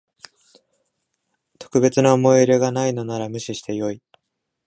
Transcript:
特別な思い入れがないのなら無視してよい